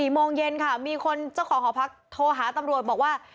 โมงเย็นค่ะมีคนเจ้าของหอพักโทรหาตำรวจบอกว่า